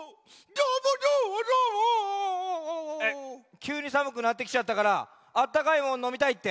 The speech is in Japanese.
きゅうにさむくなってきちゃったからあったかいもののみたいって？